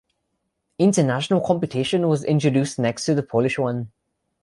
International competition was introduced next to the Polish one.